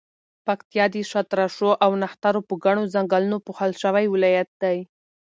پکتیا د شاتراشو او نښترو په ګڼو ځنګلونو پوښل شوی ولایت دی.